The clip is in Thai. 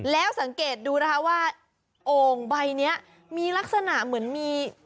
แล้วสังเกตดูนะคะว่าโอ่งใบนี้มีลักษณะเหมือนมี